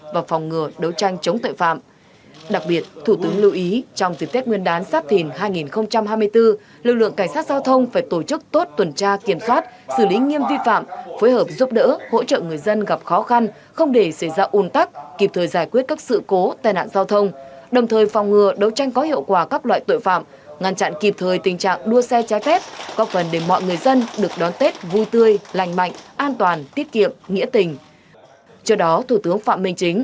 và phòng ngừa đấu tranh chống tội phạm đặc biệt thủ tướng lưu ý trong dịp tết nguyên đán sát thìn hai nghìn hai mươi bốn lực lượng cảnh sát giao thông phải tổ chức tốt tuần tra kiểm soát xử lý nghiêm vi phạm phối hợp giúp đỡ hỗ trợ người dân gặp khó khăn không để xảy ra ùn tắc kịp thời giải quyết các sự cố tai nạn giao thông đồng thời phòng ngừa đấu tranh có hiệu quả các loại tội phạm ngăn chặn kịp thời tình trạng đua xe trái tết có phần để mọi người dân được đón tết vui tươi lành mạnh an